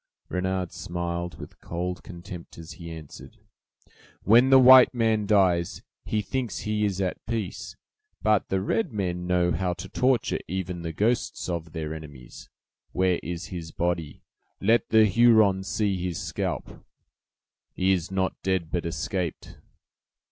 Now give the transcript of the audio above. Renard smiled with cold contempt, as he answered: "When the white man dies, he thinks he is at peace; but the red men know how to torture even the ghosts of their enemies. Where is his body? Let the Hurons see his scalp." "He is not dead, but escaped."